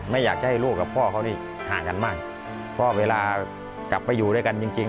ไม่อยากจะให้ลูกกับพ่อเขานี่ห่างกันมากเพราะเวลากลับไปอยู่ด้วยกันจริงจริง